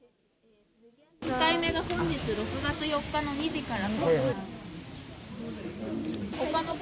２回目が本日６月４日の２時から。